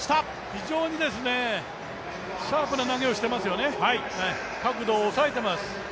非常にシャープな投げをしていますよね、角度を抑えています。